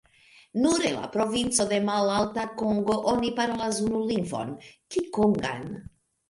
Nur en la provinco de Malalta Kongo oni parolas unu lingvon, kikongan.